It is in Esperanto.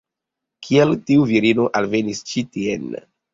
Kiel tiu virino alvenis ĉi-tien?